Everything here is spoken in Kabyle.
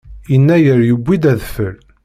Yennayer yuwi-d adfel.